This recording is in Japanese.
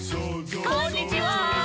「こんにちは」